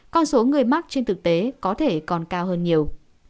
con số người mắc trên thực tế có thể còn cao hơn nhiều